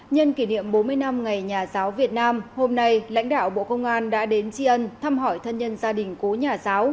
nhân kỷ niệm bốn mươi năm ngày nhà giáo việt nam hôm nay lãnh đạo bộ công an đã đến tri ân thăm hỏi thân nhân gia đình cố nhà giáo